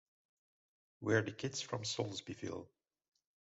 We're the kids from Soulsbyville.